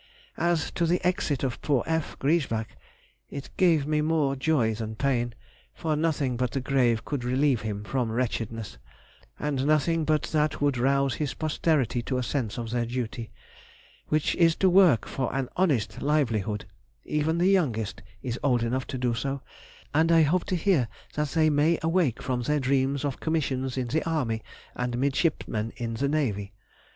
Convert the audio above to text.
As to the exit of poor F. Griesbach, it gave me more joy than pain; for nothing but the grave could relieve him from wretchedness; and nothing but that would rouse his posterity to a sense of their duty, which is to work for an honest livelihood; even the youngest is old enough to do so, and I hope to hear that they may awake from their dreams of commissions in the army and midshipmen in the navy.